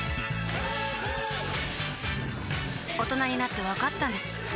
大人になってわかったんです